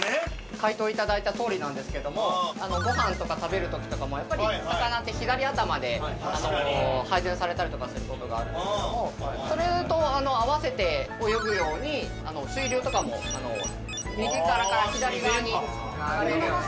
解答いただいたとおりですけどもご飯とか食べるときとかもやっぱり魚って左頭で配膳されたりするんですけどそれと合わせて泳ぐように水流とかも右側から左側に流れるように。